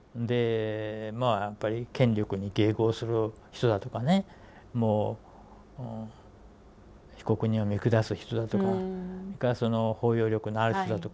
まあやっぱり権力に迎合する人だとかねもう被告人を見下す人だとかそれからその包容力のある人だとかそういうことをね